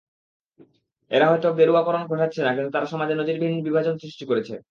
এরা হয়তো গেরুয়াকরণ ঘটাচ্ছে না, কিন্তু তারা সমাজে নজিরবিহীন বিভাজন সৃষ্টি করেছে।